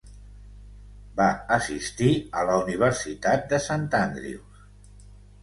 Va assistir a la Universitat de Sant Andrews.